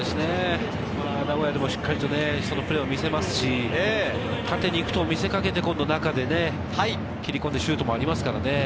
名古屋でも、しっかりとそのプレーを見せますし、縦に行くと見せかけて中で切り込んでシュートもありますからね。